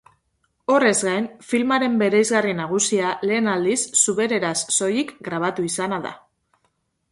Horrez gain, filmaren bereizgarri nagusia lehen aldiz zubereraz soilik grabatu izana da.